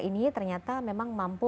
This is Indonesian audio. ini ternyata memang mampu